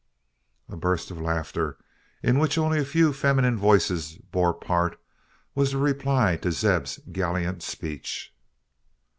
A burst of laughter in which only a few feminine voices bore part was the reply to Zeb's gallant speech.